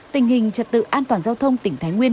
tình hình trật tự an toàn giao thông tỉnh thái nguyên